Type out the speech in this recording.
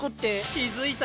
気付いた？